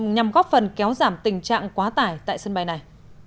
nhằm góp phần kéo giảm tình trạng quá tải tại sân bay này